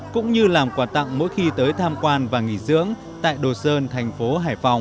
cũng như làm quà tặng mỗi khi tới tham quan và nghỉ dưỡng tại đồ sơn thành phố hải phòng